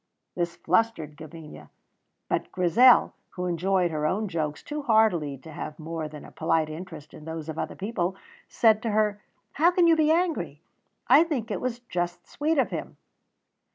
This flustered Gavinia; but Grizel, who enjoyed her own jokes too heartily to have more than a polite interest in those of other people, said to her: "How can you be angry! I think it was just sweet of him."